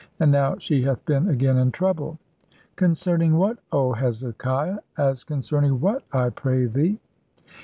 And now she hath been again in trouble." "Concerning what, old Hezekiah? As concerning what, I pray thee?"